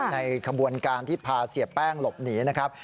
ในขบวนการที่พาเสียแป้งหลบหนีนะครับ